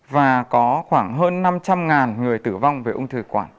và có khoảng hơn năm trăm linh người tử vong về ông thư thực quản